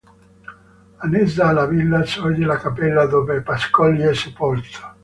Annessa alla villa sorge la cappella dove Pascoli è sepolto.